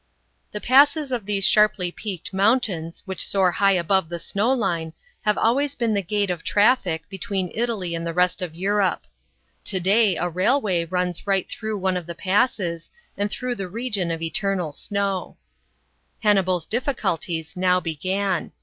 The passes of these sharplv peaked mountains, which soar high above the snow line, have always been the gate of traffic, between Italy and the rest of Europe. To day a railway runs right through one of the passes and through the region of eternal snow. Hannibal's difficulties now began.